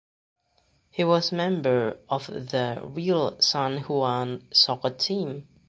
He was member of the ""Real San Juan"" soccer team.